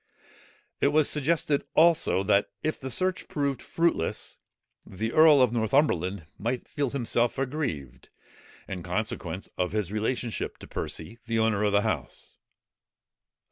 It was suggested, also, that if the search proved fruitless, the earl of Northumberland might feel himself aggrieved, in consequence of his relationship to Percy, the owner of the house.